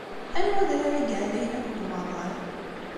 Anwa adrar i yeɛlayen akk deg umaḍal?